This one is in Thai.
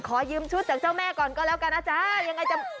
ขอยืมชุดจากเจ้าแม่ก่อนก็แล้วกันนะจ๊ะยังไง